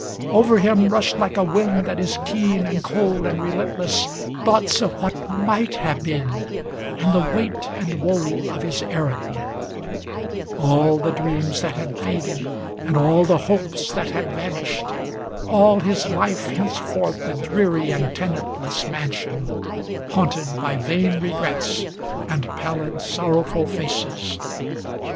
Over him rushed, like a wind that is keen and cold and relentless, Thoughts of what might have been, and the weight and woe of his errand; All the dreams that had faded, and all the hopes that had vanished, All his life henceforth a dreary and tenantless mansion, Haunted by vain regrets, and pallid, sorrowful faces.